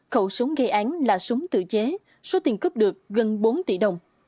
khẩu súng gây án là súng tự chế số tiền cướp được gần bốn tỷ đồng